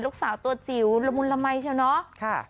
ลูกสาวตัวจิ๋วละมุนละมัยใช่ไหม